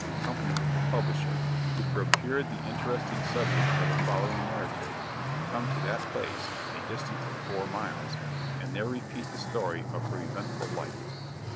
in company with the publisher, who procured the interesting subject of the following narrative, to come to that place (a distance of four miles) and there repeat the story of her eventful life.